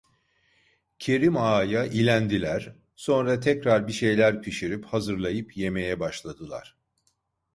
Kerim Ağa'ya ilendiler, sonra tekrar bir şeyler pişirip, hazırlayıp yemeye başladılar.